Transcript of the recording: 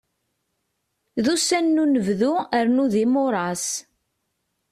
D ussan n unebdu rnu d imuras.